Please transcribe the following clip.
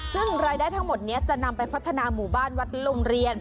ซึ่งรายได้ทั้งหมดนี้จะนำไปพัฒนาหมู่บ้านวัดโรงเรียน